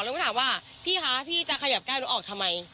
หนูก็ถามว่าพี่คะพี่จะขยับใกล้หนูออกทำไม